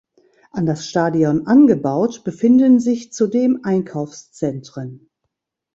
An das Stadion angebaut befinden sich zudem Einkaufszentren.